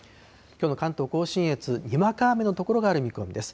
きょうの関東甲信越、にわか雨の所がある見込みです。